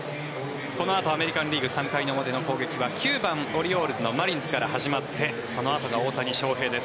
このあとアメリカン・リーグ３回の表の攻撃は９番、オリオールズのマリンズから始まってそのあとが大谷翔平です。